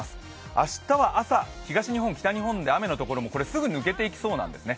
明日は朝、東日本、北日本で雨のところもすぐに抜けていきそうなんですね。